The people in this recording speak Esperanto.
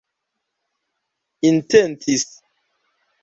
intencis